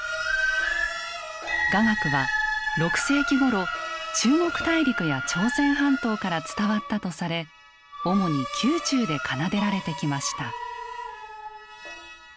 雅楽は６世紀ごろ中国大陸や朝鮮半島から伝わったとされ主に宮中で奏でられてきました。